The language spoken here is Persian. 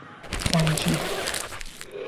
سنجید